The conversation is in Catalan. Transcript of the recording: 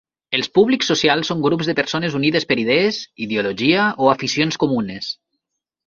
Els públics socials són grups de persones unides per idees, ideologia o aficions comunes.